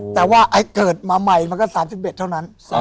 แต่ว่าไอ้เกิดมาใหม่มันก็๓๑เท่านั้น